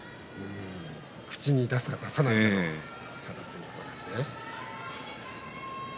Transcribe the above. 口に出すか出さないかの差ということですね。